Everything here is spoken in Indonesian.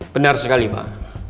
benar sekali pak